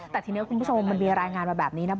แต่ทีนี้คุณผู้ชมมันมีรายงานมาแบบนี้นะ